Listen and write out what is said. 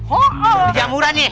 udah jamuran ya